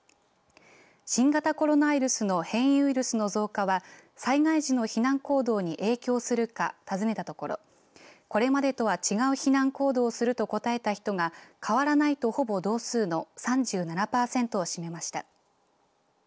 新型コロナウイルスの変異ウイルスの増加は災害時の避難行動に影響するか尋ねたところこれまでとは違う避難行動をすると答えた人が変わらないと、ほぼ同数の３７パーセントを占めました。